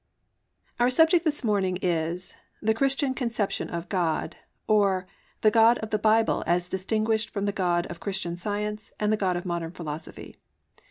Our subject this morning is "The Christian Conception of God, or The God of the Bible as Distinguished from the God of Christian Science and the God of Modern Philosophy."